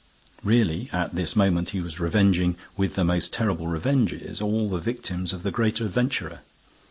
Really, at this moment, he was revenging, with the most terrible revenges, all the victims of the great adventurer.